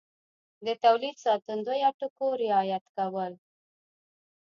د تولید ساتندویه ټکو رعایت کول